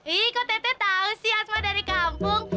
ih kok teteh tahu sih asma dari kampung